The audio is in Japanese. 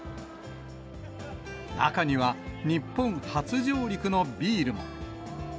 中には、日本初上陸のビールも。